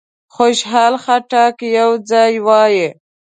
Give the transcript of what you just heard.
خوشحال خټک یو ځای وایي.